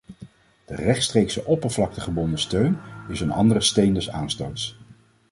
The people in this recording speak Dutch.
De rechtstreekse oppervlaktegebonden steun is een andere steen des aanstoots.